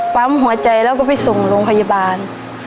ปั๊มหัวใจแล้วก็ไปส่งโรงพยาบาล